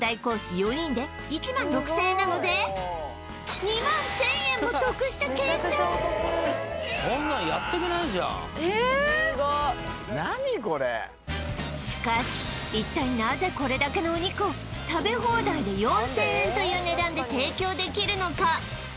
４人で１６０００円なので２１０００円も得した計算いやええ何これしかし一体なぜこれだけのお肉を食べ放題で４０００円という値段で提供できるのか？